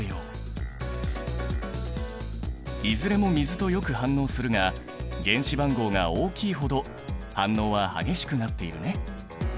いずれも水とよく反応するが原子番号が大きいほど反応は激しくなっているね。